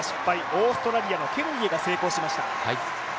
オーストラリアのケネディが成功しました。